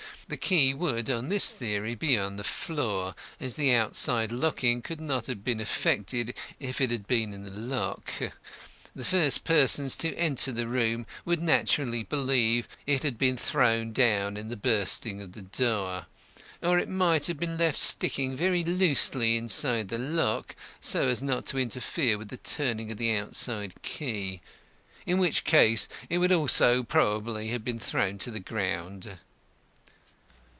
The key would, on this theory, be on the floor as the outside locking could not have been effected if it had been in the lock. The first persons to enter the room would naturally believe it had been thrown down in the bursting of the door. Or it might have been left sticking very loosely inside the lock so as not to interfere with the turning of the outside key, in which case it would also probably have been thrown to the ground."